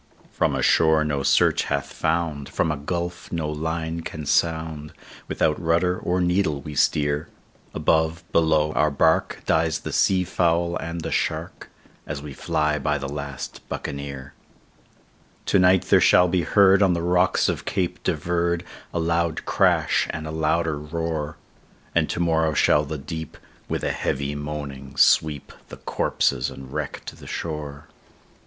"From a shore no search hath found, from a gulf no line can sound, Without rudder or needle we steer; Above, below, our bark, dies the sea fowl and the shark, As we fly by the last Buccaneer. "To night there shall be heard on the rocks of Cape de Verde, A loud crash, and a louder roar; And to morrow shall the deep, with a heavy moaning, sweep The corpses and wreck to the shore."